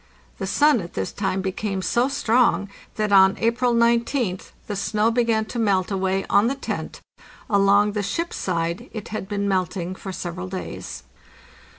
The sun at this time became so strong that on April 19th the snow began to melt away on the tent; along the ship's side it had been melting for several days.